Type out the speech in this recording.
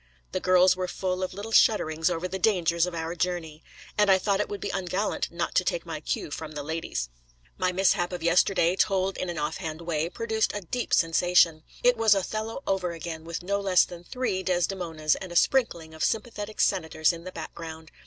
The girls were full of little shudderings over the dangers of our journey. And I thought it would be ungallant not to take my cue from the ladies. My mishap of yesterday, told in an off hand way, produced a deep sensation. It was Othello over again, with no less than three Desdemonas and a sprinkling of sympathetic senators in the background.